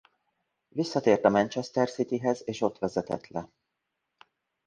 Visszatért a Manchester City-hez és ott vezetett le.